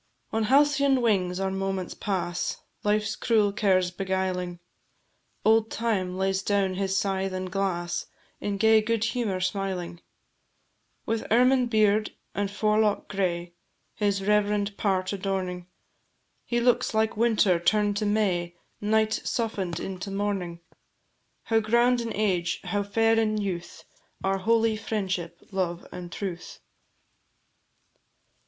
On halcyon wings our moments pass, Life's cruel cares beguiling; Old Time lays down his scythe and glass, In gay good humour smiling: With ermine beard and forelock gray, His reverend part adorning, He looks like Winter turn'd to May, Night soften'd into Morning. How grand in age, how fair in youth, Are holy "Friendship, Love, and Truth!"